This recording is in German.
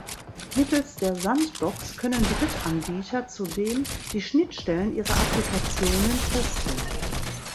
Mittels der Sandbox können Drittanbieter zudem die Schnittstellen ihrer Applikationen testen.